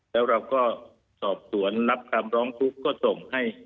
แล้วเราก็สอบสวนรับคำร้องทุกข์ก็ส่งให้